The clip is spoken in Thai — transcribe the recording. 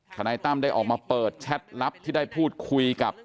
นายตั้มได้ออกมาเปิดแชทลับที่ได้พูดคุยกับ